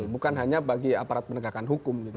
bukan hanya bagi aparat penegakan hukum